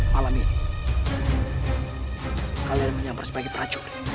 malam ini kalian menyambar sebagai prajurit